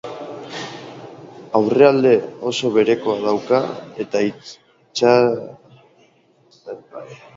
Aurrealde oso berekoa dauka eta isatsaren kokapena altua.